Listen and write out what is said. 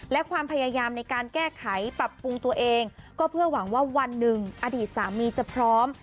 และความพยายามในการแก้ไขปรับปรุงตัวเองก็เพื่อหวังว่าวันหนึ่งอดีตสามีจะพร้อม